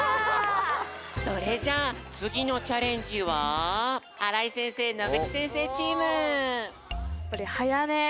それじゃあつぎのチャレンジは荒居先生野口先生チーム！